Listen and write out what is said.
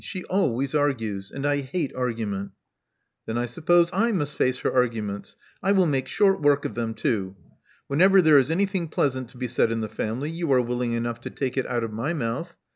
She always argues; and I hate argument." Then I suppose I must face her arguments — I will make short work of them too. Whenever there is anything pleasant to be said in the family, you are willing enough to take it out of my mouth.